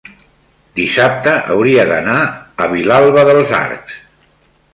dissabte hauria d'anar a Vilalba dels Arcs.